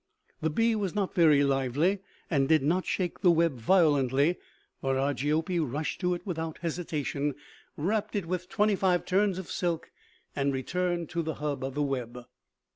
The bee was not very lively and did not shake the web violently, but Argiope rushed to it without hesitation, wrapped it with twenty five turns of silk and returned to the hub of the web.